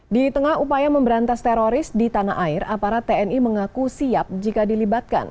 di tengah upaya memberantas teroris di tanah air aparat tni mengaku siap jika dilibatkan